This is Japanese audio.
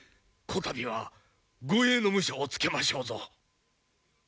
こたびは護衛の武者をつけましょうぞ。